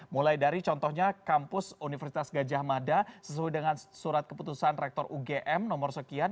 mulai dari contohnya kampus universitas gajah mada sesuai dengan surat keputusan rektor ugm nomor sekian